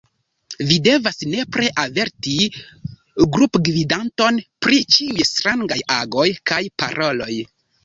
Vi devas nepre averti grupgvidanton pri ĉiuj strangaj agoj kaj paroloj.